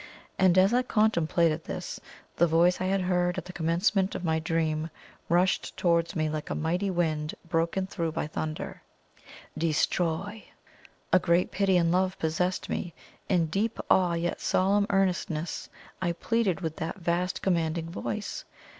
And as I contemplated this, the voice I had heard at the commencement of my dream rushed towards me like a mighty wind broken through by thunder: "DESTROY!" A great pity and love possessed me. In deep awe, yet solemn earnestness, I pleaded with that vast commanding voice.